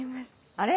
あれ！